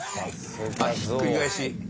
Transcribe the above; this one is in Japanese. あっひっくり返し。